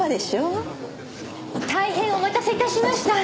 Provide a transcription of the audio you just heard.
大変お待たせ致しました。